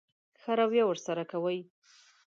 ښه رويه ورسره کوئ.